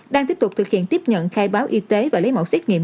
đang tiếp tục thực hiện tiếp nhận khai báo y tế và lấy mẫu xét nghiệm